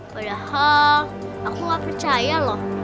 padahal aku gak percaya loh